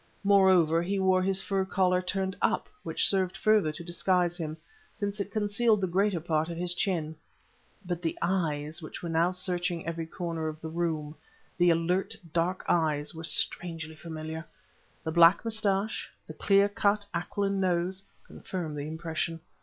Moreover, he wore his fur collar turned up, which served further to disguise him, since it concealed the greater part of his chin. But the eyes which now were searching every corner of the room, the alert, dark eyes, were strangely familiar. The black mustache, the clear cut, aquiline nose, confirmed the impression.